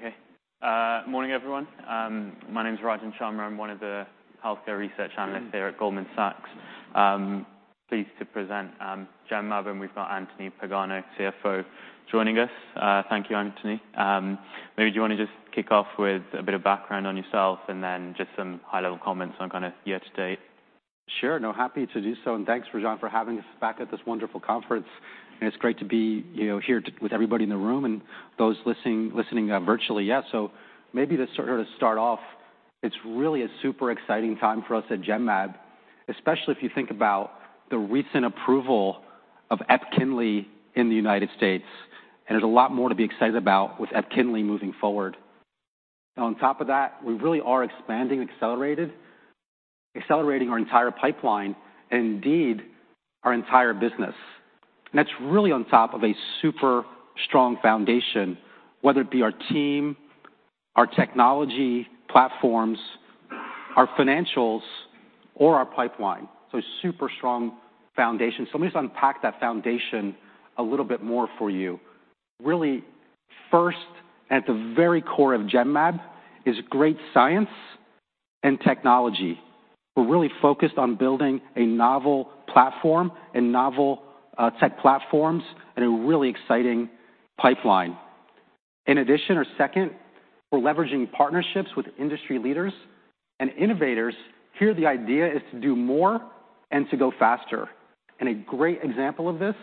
Good. Okay. Morning, everyone. My name is Rajan Sharma. I'm one of the healthcare research analysts here at Goldman Sachs. Pleased to present Genmab. We've got Anthony Pagano, CFO, joining us. Thank you, Anthony. Maybe do you want to just kick off with a bit of background on yourself and then just some high-level comments on kind of year-to-date? Sure. No, happy to do so. Thanks, Rajan, for having us back at this wonderful conference. It's great to be, you know, here with everybody in the room and those listening virtually. Maybe just sort of to start off, it's really a super exciting time for us at Genmab, especially if you think about the recent approval of EPKINLY in the United States, there's a lot more to be excited about with EPKINLY moving forward. On top of that, we really are expanding, accelerating our entire pipeline and indeed our entire business. That's really on top of a super strong foundation, whether it be our team, our technology platforms, our financials, or our pipeline. Super strong foundation. Let me just unpack that foundation a little bit more for you. Really, first, at the very core of Genmab, is great science and technology. We're really focused on building a novel platform and novel, tech platforms and a really exciting pipeline. In addition or second, we're leveraging partnerships with industry leaders and innovators. Here, the idea is to do more and to go faster, and a great example of this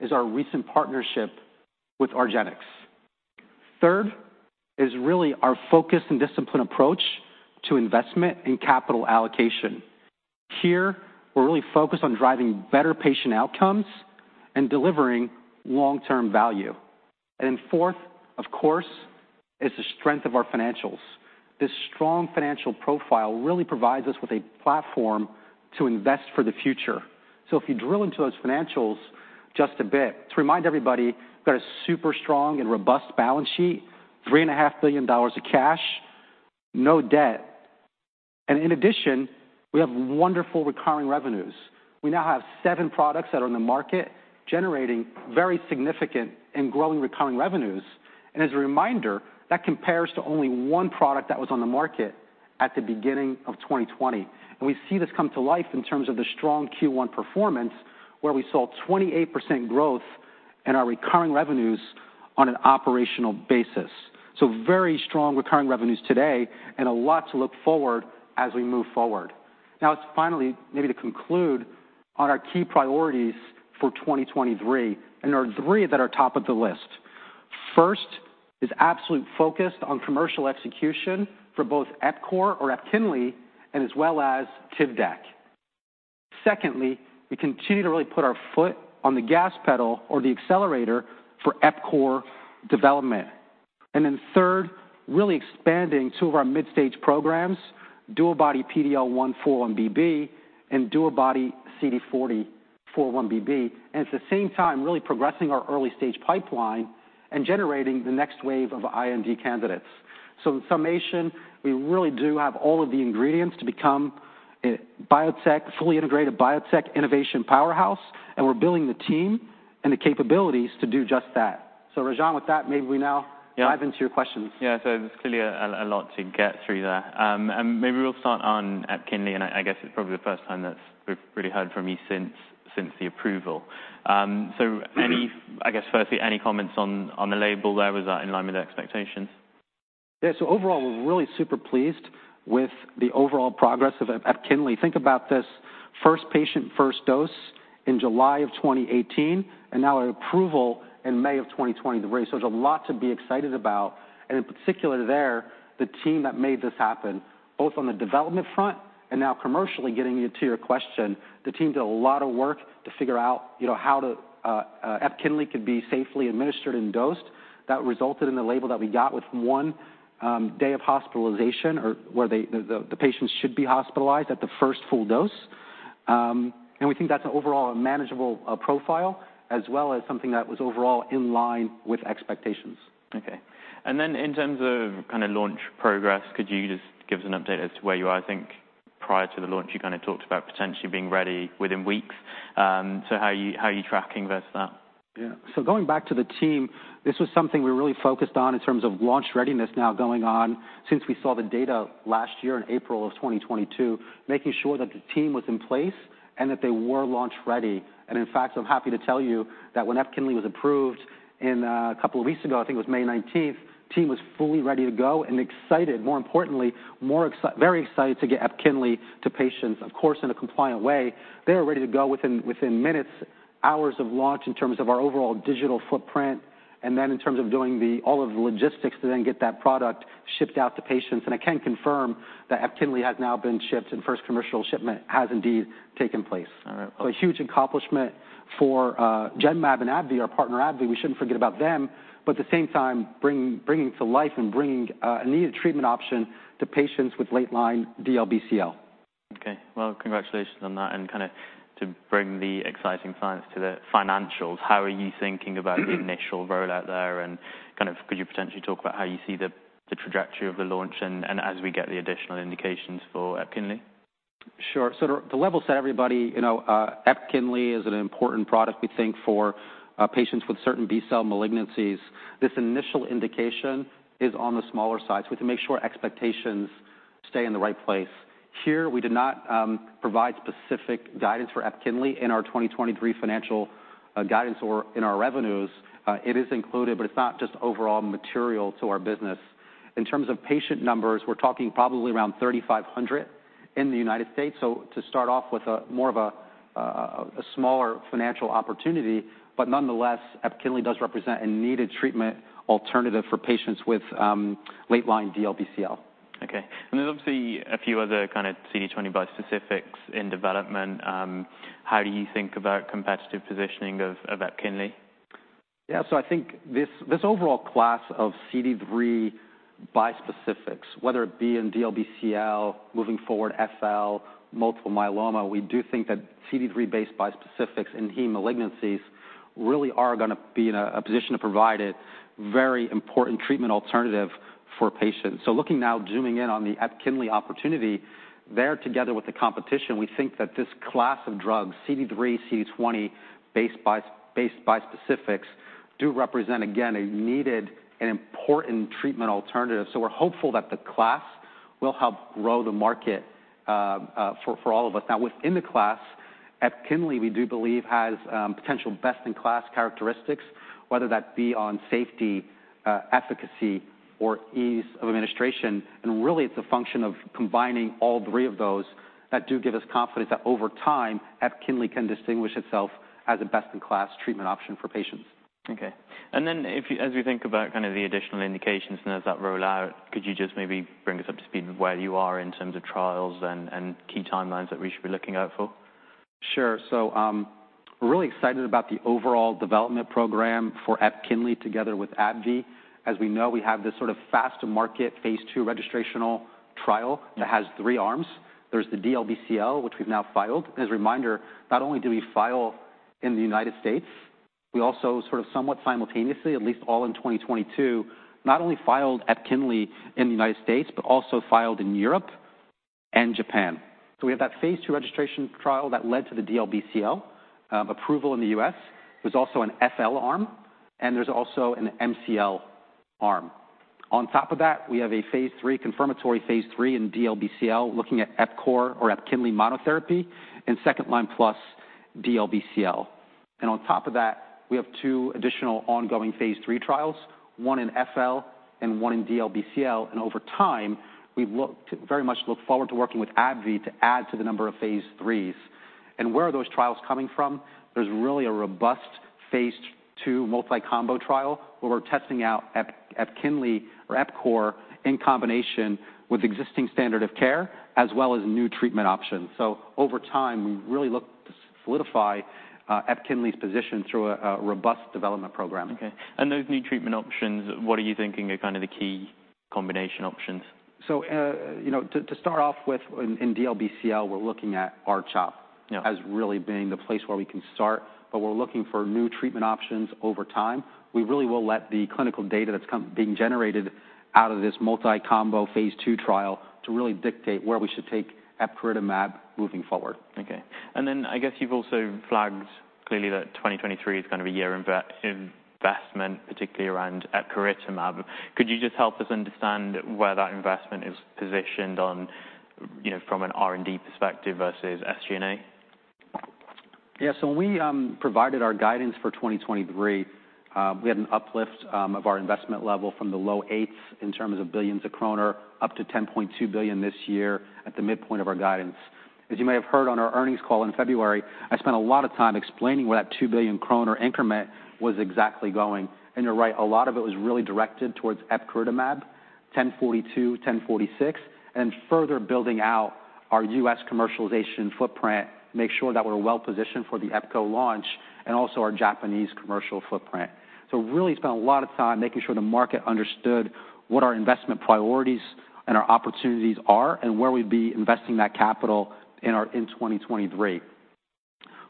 is our recent partnership with argenx. Third is really our focus and discipline approach to investment and capital allocation. Here, we're really focused on driving better patient outcomes and delivering long-term value. Fourth, of course, is the strength of our financials. This strong financial profile really provides us with a platform to invest for the future. If you drill into those financials just a bit, to remind everybody, we've got a super strong and robust balance sheet, $3.5 billion of cash, no debt, and in addition, we have wonderful recurring revenues. We now have seven products that are on the market, generating very significant and growing recurring revenues. As a reminder, that compares to only one product that was on the market at the beginning of 2020. We see this come to life in terms of the strong Q1 performance, where we saw 28% growth in our recurring revenues on an operational basis. Very strong recurring revenues today and a lot to look forward as we move forward. Finally, maybe to conclude on our key priorities for 2023, and there are three that are top of the list. First is absolute focus on commercial execution for both Epcor or EPKINLY and as well as TIVDAK. Secondly, we continue to really put our foot on the gas pedal or the accelerator for Epcor development. Third, really expanding two of our mid-stage programs, DuoBody-PD-L1x4-1BB, and DuoBody-CD40x4-1BB, and at the same time, really progressing our early-stage pipeline and generating the next wave of IND candidates. In summation, we really do have all of the ingredients to become a biotech, fully integrated biotech innovation powerhouse, and we're building the team and the capabilities to do just that. Rajan, with that, maybe we dive into your questions. Yeah. There's clearly a lot to get through there. Maybe we'll start on EPKINLY, and I guess it's probably the first time that we've really heard from you since the approval. I guess, firstly, any comments on the label there? Was that in line with the expectations? Overall, we're really super pleased with the overall progress of EPKINLY. Think about this, first patient, first dose in July of 2018, and now an approval in May of 2023. There's a lot to be excited about, and in particular there, the team that made this happen, both on the development front and now commercially getting you to your question. The team did a lot of work to figure out, you know, how EPKINLY could be safely administered and dosed. That resulted in the label that we got with one day of hospitalization or where the patients should be hospitalized at the first full dose. We think that's overall a manageable profile, as well as something that was overall in line with expectations. Okay. In terms of kind of launch progress, could you just give us an update as to where you are? I think prior to the launch, you kind of talked about potentially being ready within weeks. How are you tracking versus that? Going back to the team, this was something we really focused on in terms of launch readiness now going on since we saw the data last year in April of 2022, making sure that the team was in place and that they were launch-ready. In fact, I'm happy to tell you that when EPKINLY was approved in a couple of weeks ago, I think it was May 19th, the team was fully ready to go and excited, more importantly, very excited to get EPKINLY to patients, of course, in a compliant way. They were ready to go within minutes, hours of launch in terms of our overall digital footprint, and then in terms of doing all of the logistics to then get that product shipped out to patients. I can confirm that EPKINLY has now been shipped, and first commercial shipment has indeed taken place. All right. A huge accomplishment for Genmab and AbbVie, our partner, AbbVie. We shouldn't forget about them, but at the same time, bringing to life and bringing a needed treatment option to patients with late-line DLBCL. Okay. Well, congratulations on that. Kind of to bring the exciting science to the financials, how are you thinking about the initial rollout there? Kind of could you potentially talk about how you see the trajectory of the launch and as we get the additional indications for EPKINLY? Sure. The level set everybody, you know, EPKINLY is an important product, we think, for patients with certain B-cell malignancies. This initial indication is on the smaller side, so we have to make sure expectations stay in the right place. Here, we did not provide specific guidance for EPKINLY in our 2023 financial guidance or in our revenues. It is included, but it's not just overall material to our business. In terms of patient numbers, we're talking probably around 3,500 in the United States, so to start off with a more of a smaller financial opportunity. Nonetheless, EPKINLY does represent a needed treatment alternative for patients with late-line DLBCL. Okay. There's obviously a few other kinda CD20 bispecifics in development. How do you think about competitive positioning of Epkinly? Yeah, I think this overall class of CD3 bispecifics, whether it be in DLBCL, moving forward, FL, multiple myeloma, we do think that CD3-based bispecifics in B-cell malignancies really are gonna be in a position to provide a very important treatment alternative for patients. Looking now, zooming in on the EPKINLY opportunity, there, together with the competition, we think that this class of drugs, CD3, CD20-based bispecifics, do represent, again, a needed and important treatment alternative. We're hopeful that the class will help grow the market for all of us. Within the class, EPKINLY, we do believe, has potential best-in-class characteristics, whether that be on safety, efficacy, or ease of administration, and really, it's a function of combining all three of those that do give us confidence that over time, EPKINLY can distinguish itself as a best-in-class treatment option for patients. Okay. As we think about kind of the additional indications and as that roll out, could you just maybe bring us up to speed with where you are in terms of trials and key timelines that we should be looking out for? Sure. We're really excited about the overall development program for EPKINLY together with AbbVie. As we know, we have this sort of fast-to-market phase II registrational trial that has three arms. There's the DLBCL, which we've now filed. As a reminder, not only do we file in the United States, we also sort of somewhat simultaneously, at least all in 2022, not only filed EPKINLY in the United States, but also filed in Europe and Japan. We have that phase II registration trial that led to the DLBCL approval in the U.S. There's also an FL arm, and there's also an MCL arm. On top of that, we have a phase III, confirmatory phase III in DLBCL, looking at Epcor or EPKINLY monotherapy, and second-line plus DLBCL. On top of that, we have two additional ongoing phase III trials, one in FL and one in DLBCL, and over time, we very much look forward to working with AbbVie to add to the number of phase IIIs. Where are those trials coming from? There's really a robust phase II multi-combo trial, where we're testing out EPKINLY or Epcor in combination with existing standard of care, as well as new treatment options. Over time, we really look to solidify EPKINLY's position through a robust development program. Okay. Those new treatment options, what are you thinking are kind of the key combination options? You know, to start off with, in DLBCL, we're looking at R-CHOP as really being the place where we can start, but we're looking for new treatment options over time. We really will let the clinical data that's being generated out of this multi-combo phase II trial to really dictate where we should take epcoritamab moving forward. Okay. Then I guess you've also flagged clearly that 2023 is kind of a year investment, particularly around epcoritamab. Could you just help us understand where that investment is positioned on, you know, from an R&D perspective versus SG&A? When we provided our guidance for 2023, we had an uplift of our investment level from the low eights in terms of billions of kroner, up to 10.2 billion this year at the midpoint of our guidance. As you may have heard on our earnings call in February, I spent a lot of time explaining where that 2 billion kroner increment was exactly going. You're right, a lot of it was really directed towards epcoritamab, GEN1042, GEN1046, and further building out our U.S. commercialization footprint, make sure that we're well-positioned for the EPKINLY launch, and also our Japanese commercial footprint. Really spent a lot of time making sure the market understood what our investment priorities and our opportunities are, and where we'd be investing that capital in 2023.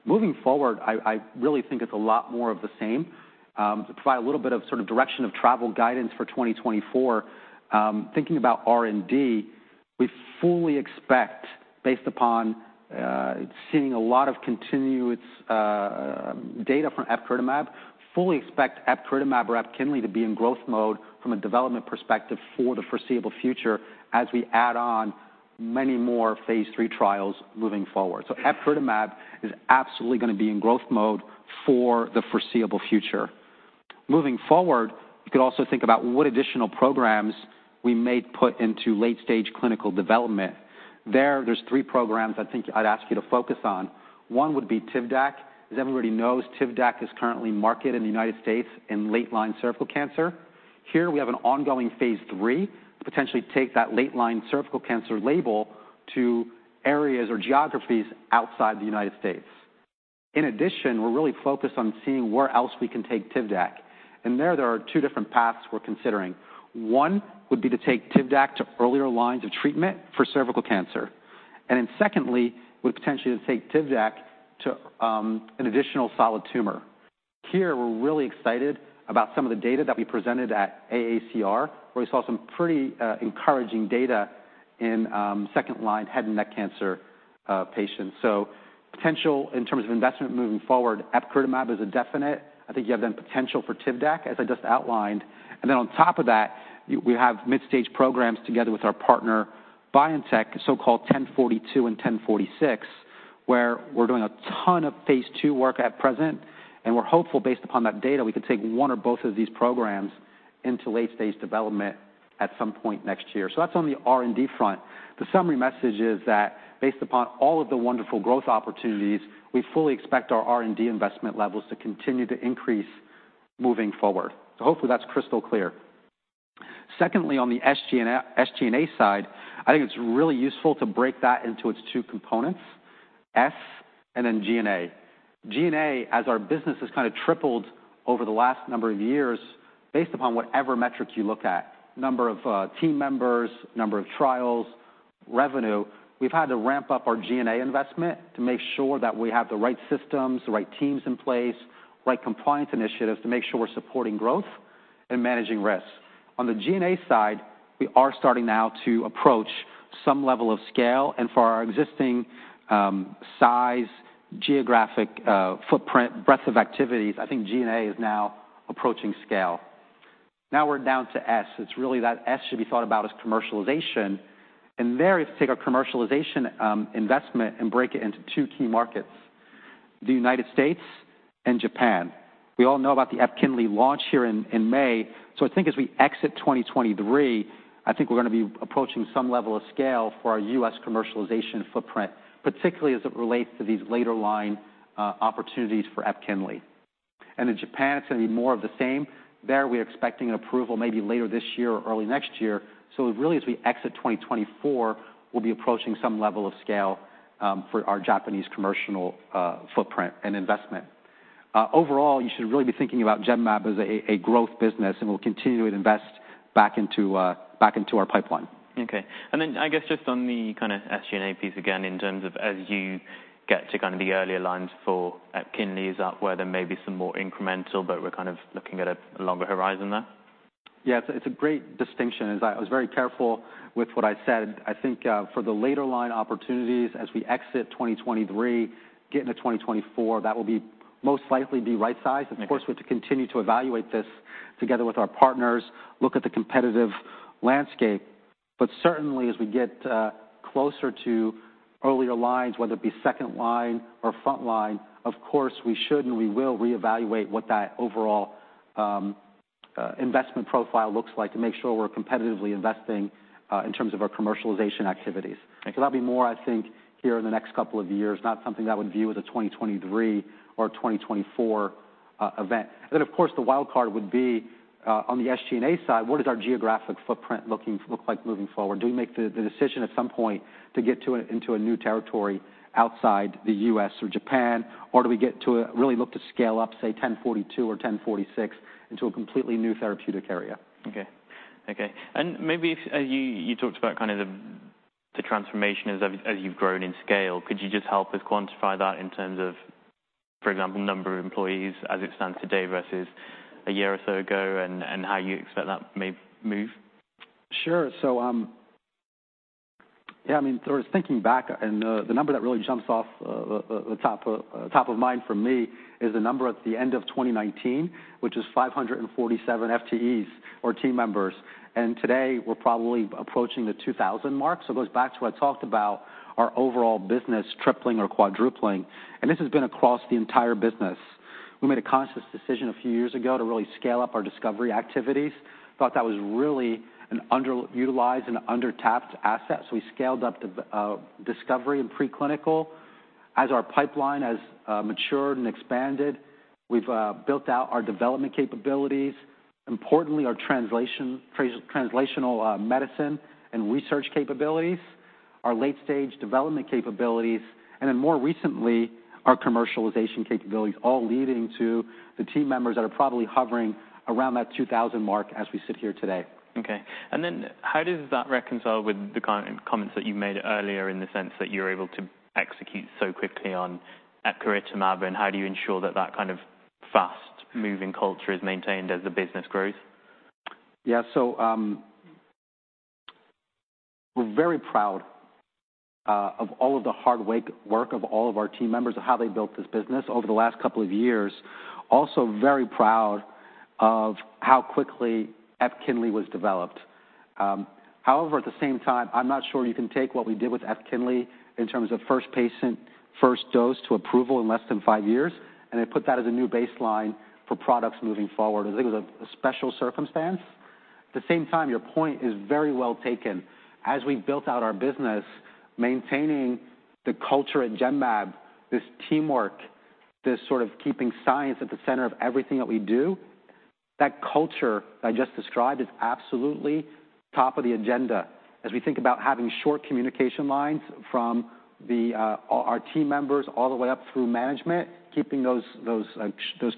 Moving forward, I really think it's a lot more of the same. To provide a little bit of sort of direction-of-travel guidance for 2024, thinking about R&D, we fully expect, based upon seeing a lot of continuous data from epcoritamab, fully expect epcoritamab or EPKINLY to be in growth mode from a development perspective for the foreseeable future as we add on many more phase III trials moving forward. Epcoritamab is absolutely gonna be in growth mode for the foreseeable future. Moving forward, you could also think about what additional programs we may put into late-stage clinical development. There's three programs I think I'd ask you to focus on. One would be TIVDAK. As everybody knows, TIVDAK is currently marketed in the United States in late-line cervical cancer. Here we have an ongoing phase III to potentially take that late-line cervical cancer label to areas or geographies outside the United States. We're really focused on seeing where else we can take TIVDAK, and there are two different paths we're considering. One would be to take TIVDAK to earlier lines of treatment for cervical cancer. Secondly, would potentially take TIVDAK to an additional solid tumor. We're really excited about some of the data that we presented at AACR, where we saw some pretty encouraging data in second-line head and neck cancer patients. Potential in terms of investment moving forward, epcoritamab is a definite. I think you have then potential for TIVDAK, as I just outlined. On top of that, we have mid-stage programs together with our partner, BioNTech, so-called GEN1042 and GEN1046, where we're doing a ton of phase II work at present, and we're hopeful, based upon that data, we can take one or both of these programs into late-stage development at some point next year. That's on the R&D front. The summary message is that based upon all of the wonderful growth opportunities, we fully expect our R&D investment levels to continue to increase moving forward. Hopefully that's crystal clear. Secondly, on the SG&A side, I think it's really useful to break that into its two components, S and then G&A. G&A, as our business has kind of tripled over the last number of years, based upon whatever metrics you look at, number of team members, number of trials, revenue, we've had to ramp up our G&A investment to make sure that we have the right systems, the right teams in place, right compliance initiatives to make sure we're supporting growth and managing risks. On the G&A side, we are starting now to approach some level of scale. For our existing size, geographic footprint, breadth of activities, I think G&A is now approaching scale. We're down to S. It's really that S should be thought about as commercialization. There, if you take our commercialization investment and break it into two key markets, the United States and Japan. We all know about the EPKINLY launch here in May. I think as we exit 2023, I think we're gonna be approaching some level of scale for our U.S. commercialization footprint, particularly as it relates to these later line opportunities for EPKINLY. In Japan, it's gonna be more of the same. There, we're expecting an approval maybe later this year or early next year. Really, as we exit 2024, we'll be approaching some level of scale for our Japanese commercial footprint and investment. Overall, you should really be thinking about Genmab as a growth business, and we'll continue to invest back into our pipeline. Okay, I guess just on the kind of SG&A piece again, in terms of as you get to kind of the earlier lines for EPKINLY, is that where there may be some more incremental, but we're kind of looking at a longer horizon there? Yeah, it's a great distinction. I was very careful with what I said. I think, for the later line opportunities, as we exit 2023, get into 2024, that will be most likely be right-sized. We have to continue to evaluate this together with our partners, look at the competitive landscape. Certainly, as we get closer to earlier lines, whether it be second line or front line, of course, we should and we will reevaluate what that overall investment profile looks like to make sure we're competitively investing in terms of our commercialization activities. Okay. That'll be more, I think, here in the next couple of years, not something that would view as a 2023 or 2024 event. Then, of course, the wild card would be on the SG&A side, what does our geographic footprint look like moving forward? Do we make the decision at some point to get into a new territory outside the U.S. or Japan, or do we get to really look to scale up, say, GEN1042 or GEN1046 into a completely new therapeutic area? Okay. Maybe if you talked about kind of the transformation as you've grown in scale. Could you just help us quantify that in terms of, for example, number of employees as it stands today versus a year or so ago, and how you expect that may move? Sure. I mean, thinking back, the number that really jumps off the top of mind for me is the number at the end of 2019, which is 547 FTEs or team members, and today we're probably approaching the 2,000 mark. It goes back to what I talked about, our overall business tripling or quadrupling, and this has been across the entire business. We made a conscious decision a few years ago to really scale up our discovery activities. Thought that was really an underutilized and under-tapped asset, we scaled up discovery and preclinical. As our pipeline has matured and expanded, we've built out our development capabilities, importantly, our translational medicine and research capabilities, our late-stage development capabilities, and then more recently, our commercialization capabilities, all leading to the team members that are probably hovering around that 2,000 mark as we sit here today. Okay. How does that reconcile with the kind of comments that you made earlier in the sense that you're able to execute so quickly on epcoritamab, how do you ensure that that kind of fast-moving culture is maintained as the business grows? We're very proud of all of the hard work of all of our team members of how they built this business over the last couple of years. Also very proud of how quickly EPKINLY was developed. However, at the same time, I'm not sure you can take what we did with EPKINLY in terms of first patient, first dose to approval in less than five years, and then put that as a new baseline for products moving forward. I think it was a special circumstance. At the same time, your point is very well taken. As we built out our business, maintaining the culture at Genmab, this teamwork, this sort of keeping science at the center of everything that we do, that culture I just described is absolutely top of the agenda. As we think about having short communication lines from the our team members all the way up through management, keeping those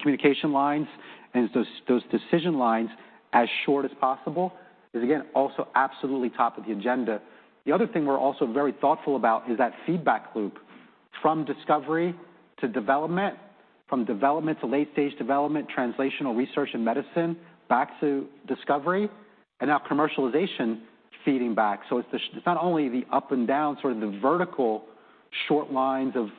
communication lines and those decision lines as short as possible is, again, also absolutely top of the agenda. The other thing we're also very thoughtful about is that feedback loop from discovery to development, from development to late-stage development, translational research and medicine, back to discovery, and now commercialization feeding back. It's not only the up and down, sort of the vertical short lines of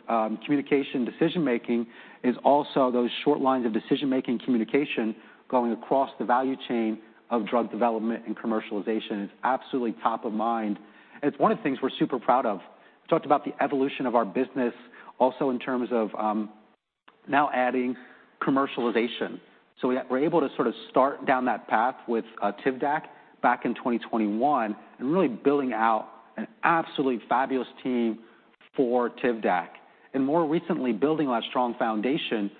communication decision-making, it's also those short lines of decision-making communication going across the value chain of drug development and commercialization. It's absolutely top of mind, and it's one of the things we're super proud of. We talked about the evolution of our business also in terms of now adding commercialization. We're able to sort of start down that path with TIVDAK back in 2021, and really building out an absolutely fabulous team for TIVDAK. More recently, building on a strong foundation,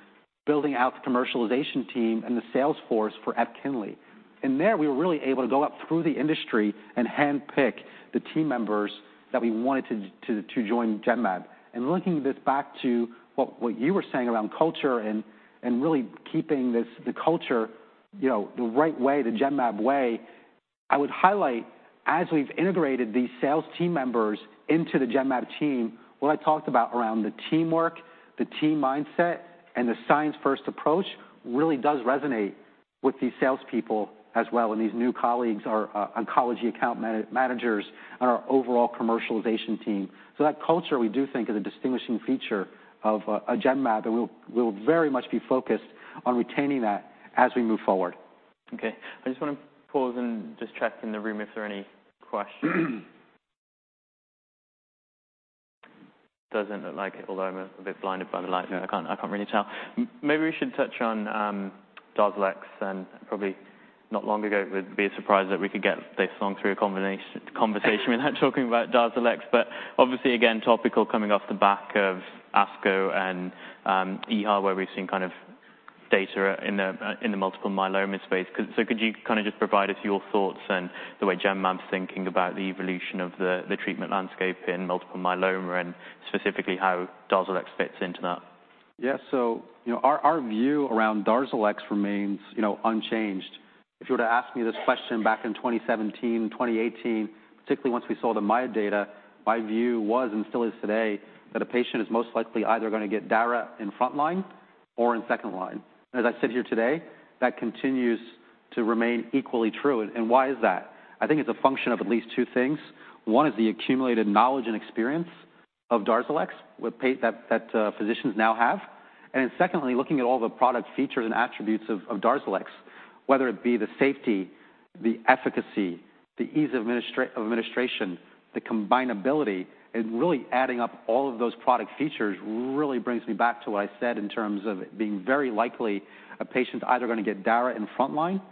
building out the commercialization team and the sales force for EPKINLY. There, we were really able to go up through the industry and handpick the team members that we wanted to join Genmab. Linking this back to what you were saying around culture and really keeping the culture, you know, the right way, the Genmab way, I would highlight, as we've integrated these sales team members into the Genmab team, what I talked about around the teamwork, the team mindset, and the science-first approach really does resonate with these salespeople as well, and these new colleagues, our oncology account managers and our overall commercialization team. That culture, we do think, is a distinguishing feature of Genmab, and we'll very much be focused on retaining that as we move forward. Okay. I just want to pause and just check in the room if there are any questions. Doesn't look like it, although I'm a bit blinded by the light. Yeah I can't really tell. Maybe we should touch on DARZALEX, and probably not long ago, it would be a surprise that we could get this long through a conversation without talking about DARZALEX. Obviously, again, topical coming off the back of ASCO and EHA, where we've seen kind of data in the in the multiple myeloma space. Could you kind of just provide us your thoughts and the way Genmab's thinking about the evolution of the treatment landscape in multiple myeloma, and specifically how DARZALEX fits into that? You know, our view around DARZALEX remains, you know, unchanged. If you were to ask me this question back in 2017, 2018, particularly once we saw the MAIA data, my view was, and still is today, that a patient is most likely either going to get daratumumab in front line or in second line. As I sit here today, that continues to remain equally true. Why is that? I think it's a function of at least two things. One is the accumulated knowledge and experience of DARZALEX with that physicians now have. Secondly, looking at all the product features and attributes of DARZALEX, whether it be the safety, the efficacy, the ease of administration, the combinability, and really adding up all of those product features, really brings me back to what I said in terms of it being very likely a patient's either going to get daratumumab in front line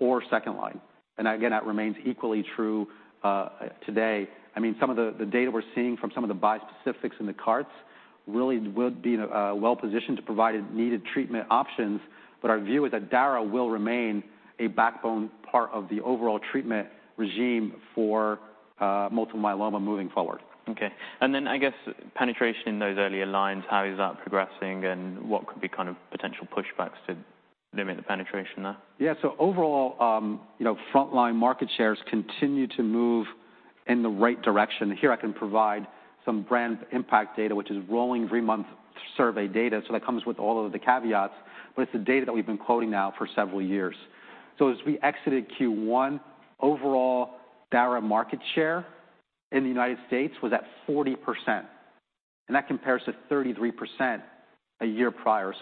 or second line. That remains equally true today. I mean, some of the data we're seeing from some of the bispecifics in the CAR-T really would be well-positioned to provide needed treatment options, but our view is that daratumumab will remain a backbone part of the overall treatment regime for multiple myeloma moving forward. Okay. I guess penetration in those earlier lines, how is that progressing, and what could be kind of potential pushbacks to limit the penetration there? Yeah. Overall, you know, frontline market shares continue to move in the right direction. Here, I can provide some brand impact data, which is rolling three-month survey data, so that comes with all of the caveats, but it's the data that we've been quoting now for several years. As we exited Q1, overall, daratumumab market share in the United States was at 40%, and that compares to 33% a year prior.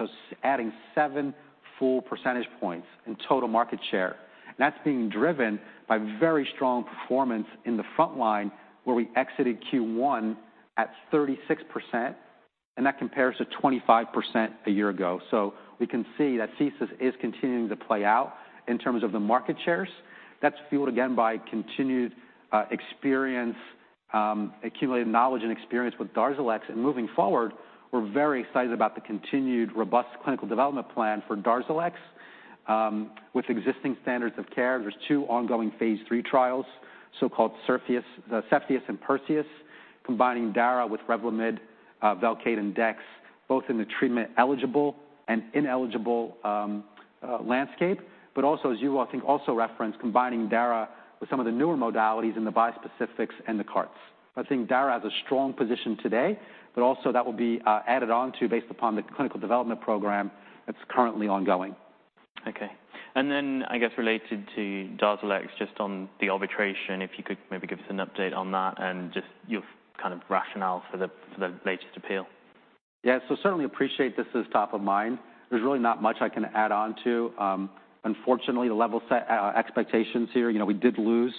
Adding 7 full percentage points in total market share. That's being driven by very strong performance in the front line, where we exited Q1 at 36%, and that compares to 25% a year ago. We can see that CSIS is continuing to play out in terms of the market shares. That's fueled again by continued experience, accumulated knowledge and experience with DARZALEX. Moving forward, we're very excited about the continued robust clinical development plan for DARZALEX. With existing standards of care, there's two ongoing phase III trials, so-called CEPHEUS and PERSEUS, combining daratumumab with REVLIMID, VELCADE, and dexamethasone, both in the treatment-eligible and ineligible landscape. Also, as you, I think, also referenced, combining daratumumab with some of the newer modalities in the bispecifics and the CAR-T. I think daratumumab has a strong position today, but also that will be added on to based upon the clinical development program that's currently ongoing. Okay. I guess, related to DARZALEX, just on the arbitration, if you could maybe give us an update on that and just your kind of rationale for the latest appeal. Certainly appreciate this is top of mind. There's really not much I can add on to. Unfortunately, the level set expectations here, you know, we did lose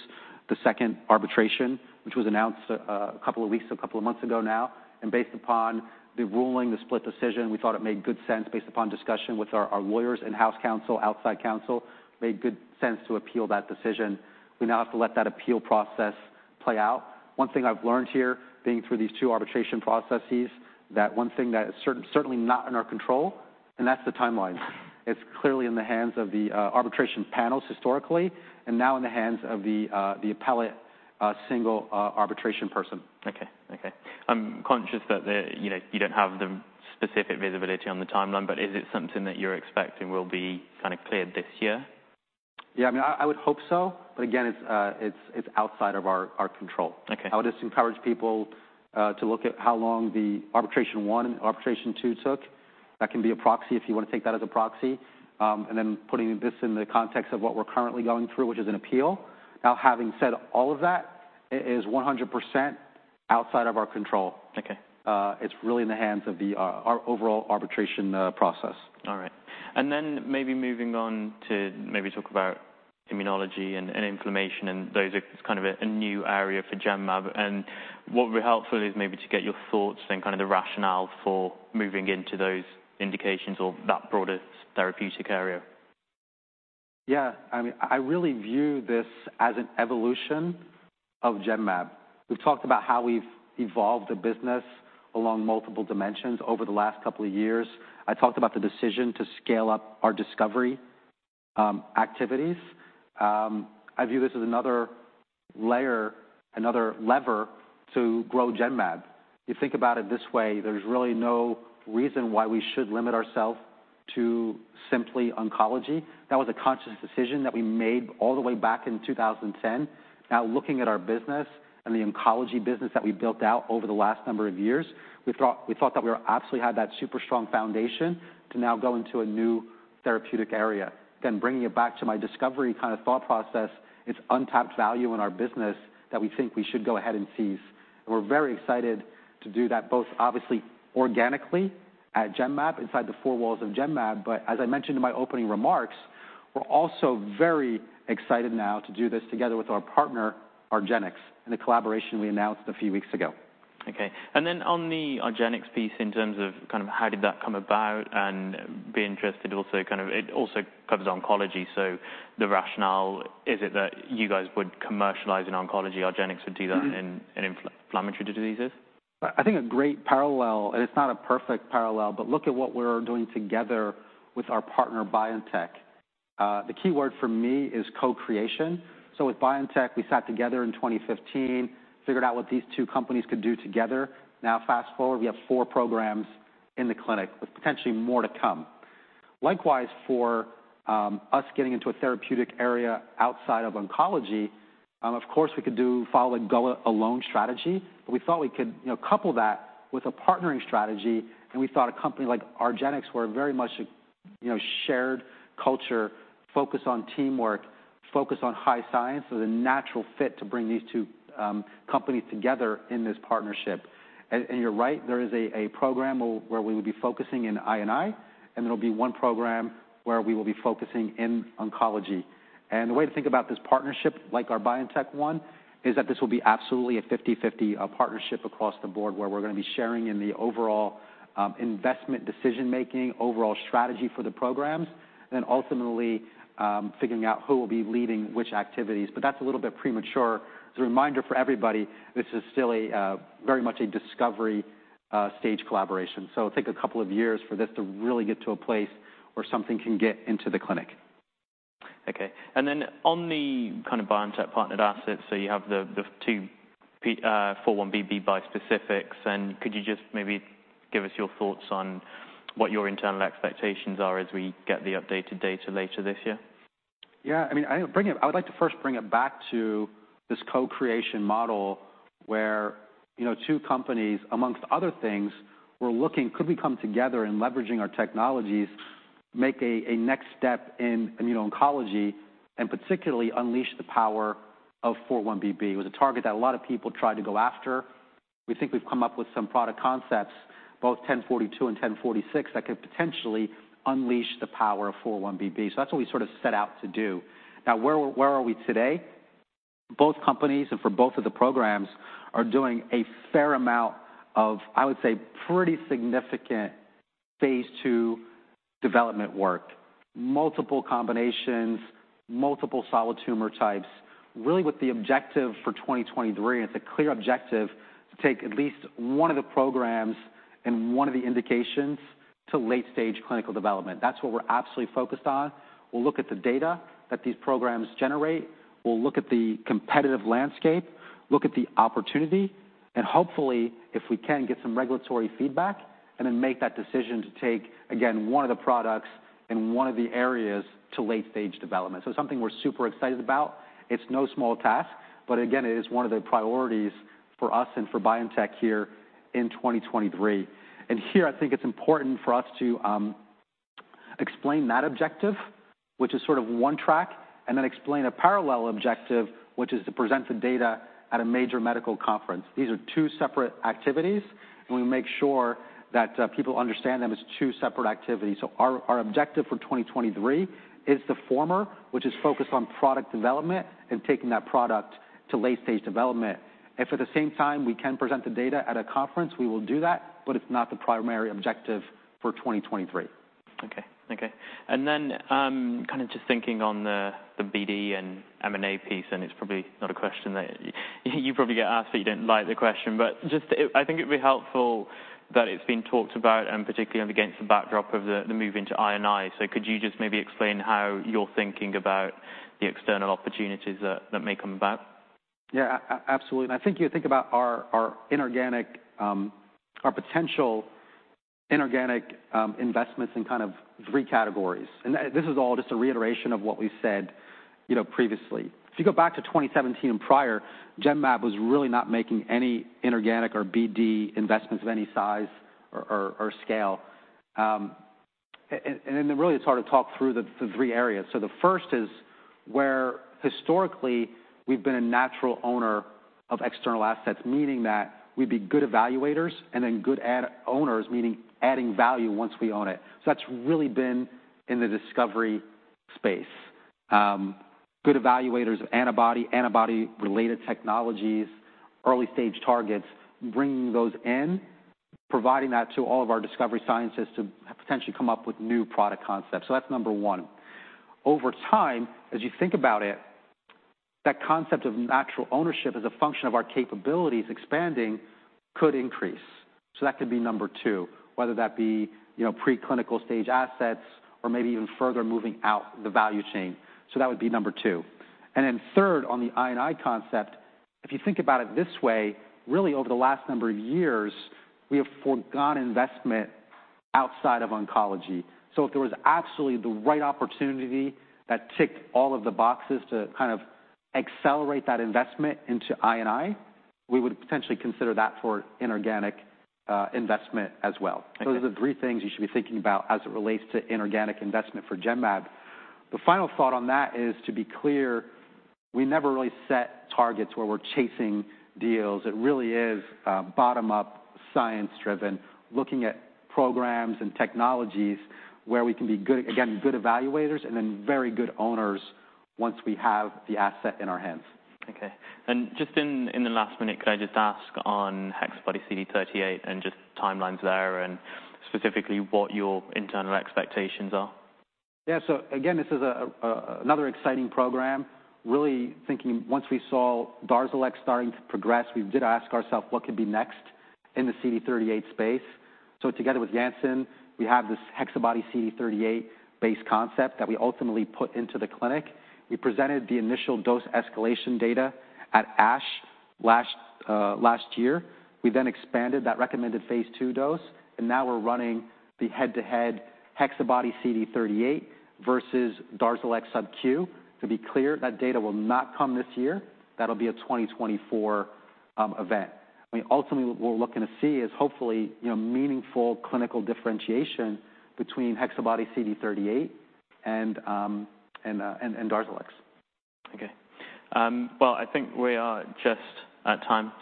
the second arbitration, which was announced a couple of weeks, a couple of months ago now. Based upon the ruling, the split decision, we thought it made good sense, based upon discussion with our lawyers in-house counsel, outside counsel, made good sense to appeal that decision. We now have to let that appeal process play out. One thing I've learned here, being through these two arbitration processes, that one thing that is certainly not in our control, and that's the timeline. It's clearly in the hands of the arbitration panels historically, and now in the hands of the appellate single arbitration person. Okay. Okay. I'm conscious that the, you know, you don't have the specific visibility on the timeline, but is it something that you're expecting will be kind of cleared this year? Yeah, I mean, I would hope so, but again, it's outside of our control. Okay. I would just encourage people to look at how long the arbitration one and arbitration two took. That can be a proxy if you want to take that as a proxy. Putting this in the context of what we're currently going through, which is an appeal. Now, having said all of that, it is 100% outside of our control. Okay. It's really in the hands of the, our overall arbitration, process. All right. Then maybe moving on to maybe talk about Immunology and Inflammation, those are kind of a new area for Genmab. What would be helpful is maybe to get your thoughts and kind of the rationale for moving into those indications or that broader therapeutic area. Yeah, I mean, I really view this as an evolution of Genmab. We've talked about how we've evolved the business along multiple dimensions over the last couple of years. I talked about the decision to scale up our discovery activities. I view this as another layer, another lever to grow Genmab. You think about it this way, there's really no reason why we should limit ourselves to simply oncology. That was a conscious decision that we made all the way back in 2010. Looking at our business and the oncology business that we built out over the last number of years, we thought that we absolutely had that super strong foundation to now go into a new therapeutic area. Again, bringing it back to my discovery kind of thought process, it's untapped value in our business that we think we should go ahead and seize. We're very excited to do that, both obviously organically at Genmab, inside the four walls of Genmab, but as I mentioned in my opening remarks, we're also very excited now to do this together with our partner, argenx, in the collaboration we announced a few weeks ago. Okay. On the argenx piece, in terms of kind of how did that come about, and be interested also kind of... It also covers oncology, the rationale, is it that you guys would commercialize in oncology, argenx would do that in inflammatory diseases? I think a great parallel, and it's not a perfect parallel, but look at what we're doing together with our partner, BioNTech. The key word for me is co-creation. With BioNTech, we sat together in 2015, figured out what these two companies could do together. Now, fast forward, we have four programs in the clinic, with potentially more to come. Likewise, for us getting into a therapeutic area outside of oncology, of course, we could follow a go-it-alone strategy, but we thought we could, you know, couple that with a partnering strategy, and we thought a company like argenx, we're very much a, you know, shared culture, focused on teamwork, focused on high science. A natural fit to bring these two companies together in this partnership. You're right, there is a program where we would be focusing in I&I, and there will be one program where we will be focusing in oncology. The way to think about this partnership, like our BioNTech one, is that this will be absolutely a 50/50 partnership across the board, where we're going to be sharing in the overall investment decision-making, overall strategy for the programs, and ultimately, figuring out who will be leading which activities. That's a little bit premature. As a reminder for everybody, this is still a very much a discovery stage collaboration. It'll take a couple of years for this to really get to a place where something can get into the clinic. Okay. On the kind of BioNTech partnered assets, you have the two 4-1BB bispecifics, could you just maybe give us your thoughts on what your internal expectations are as we get the updated data later this year? Yeah, I mean, I would like to first bring it back to this co-creation model, where, you know, two companies, amongst other things, were looking, could we come together in leveraging our technologies, make a next step in immuno-oncology, and particularly unleash the power of 4-1BB? It was a target that a lot of people tried to go after. We think we've come up with some product concepts, both GEN1042 and GEN1046, that could potentially unleash the power of 4-1BB. That's what we sort of set out to do. Where are we today? Both companies, and for both of the programs, are doing a fair amount of, I would say, pretty significant phase II development work. Multiple combinations, multiple solid tumor types, really with the objective for 2023, and it's a clear objective, to take at least one of the programs and one of the indications to late-stage clinical development. That's what we're absolutely focused on. We'll look at the data that these programs generate. We'll look at the competitive landscape, look at the opportunity, and hopefully, if we can, get some regulatory feedback, and then make that decision to take, again, one of the products in one of the areas to late-stage development. Something we're super excited about. It's no small task, but again, it is one of the priorities for us and for BioNTech here in 2023. Here, I think it's important for us to explain that objective, which is sort of one track, and then explain a parallel objective, which is to present the data at a major medical conference. These are two separate activities, and we make sure that people understand them as two separate activities. Our objective for 2023 is the former, which is focused on product development and taking that product to late-stage development. If at the same time we can present the data at a conference, we will do that, but it's not the primary objective for 2023. Okay. Okay. Kind of just thinking on the BD and M&A piece, and it's probably not a question that you probably get asked, so you don't like the question. I think it'd be helpful that it's been talked about, and particularly against the backdrop of the move into I&I. Could you just maybe explain how you're thinking about the external opportunities that may come about? Yeah, absolutely. I think you think about our inorganic, our potential inorganic investments in kind of three categories. That, this is all just a reiteration of what we've said, you know, previously. If you go back to 2017 and prior, Genmab was really not making any inorganic or BD investments of any size or scale. Then really it's hard to talk through the three areas. The first is where historically we've been a natural owner of external assets, meaning that we'd be good evaluators and then good owners, meaning adding value once we own it. That's really been in the discovery space. Good evaluators of antibody-related technologies, early-stage targets, bringing those in, providing that to all of our discovery scientists to potentially come up with new product concepts. That's number one. Over time, as you think about it, that concept of natural ownership as a function of our capabilities expanding could increase. That could be number two, whether that be, you know, preclinical stage assets or maybe even further moving out the value chain. That would be number two. Third, on the I&I concept, if you think about it this way, really over the last number of years, we have forgone investment outside of oncology. If there was absolutely the right opportunity that ticked all of the boxes to kind of accelerate that investment into I&I, we would potentially consider that for inorganic investment as well. Okay. Those are the three things you should be thinking about as it relates to inorganic investment for Genmab. The final thought on that is, to be clear, we never really set targets where we're chasing deals. It really is bottom-up, science-driven, looking at programs and technologies where we can be good, again, good evaluators and then very good owners once we have the asset in our hands. Okay. just in the last minute, could I just ask on HexaBody-CD38 and just timelines there, and specifically, what your internal expectations are? Again, this is another exciting program. Really thinking once we saw DARZALEX starting to progress, we did ask ourself, "What could be next in the CD38 space?" Together with Janssen, we have this HexaBody-CD38-based concept that we ultimately put into the clinic. We presented the initial dose escalation data at ASH last year. We expanded that recommended phase II dose, and now we're running the head-to-head HexaBody-CD38 versus DARZALEX sub Q. To be clear, that data will not come this year. That'll be a 2024 event. I mean, ultimately, what we're looking to see is hopefully, you know, meaningful clinical differentiation between HexaBody-CD38 and DARZALEX. Okay. Well, I think we are just at time.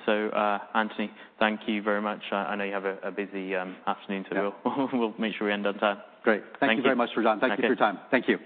Anthony, thank you very much. I know you have a busy afternoon. Yeah. We'll make sure we end on time. Great. Thank you. Thank you very much, Rajan. Okay. Thank you for your time. Thank you.